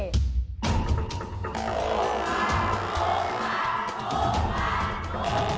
พูดค่ะ